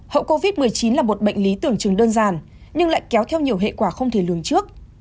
hậu covid một mươi chín là một bệnh lý tưởng chừng đơn giản nhưng lại kéo theo nhiều hệ quả không thể lường trước